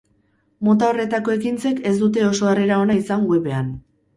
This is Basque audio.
Mota horretako ekintzek ez dute oso harrera ona izan web-ean.